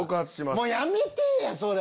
もうやめてぇやそれ！